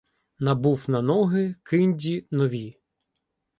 Набув на ноги кинді нові